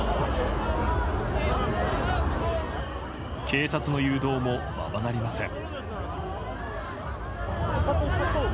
警察の誘導もままなりません。